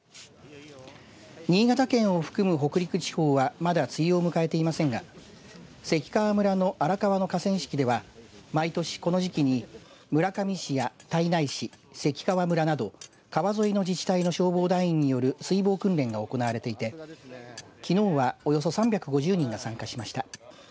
新潟県を含む北陸地方はまだ梅雨を迎えていませんが関川村の荒川の河川敷では毎年この時期に村上市や胎内市関川村など、川沿いの自治体の消防団員による水防訓練が行われていてきのうはおよそ３５０人が参加しました。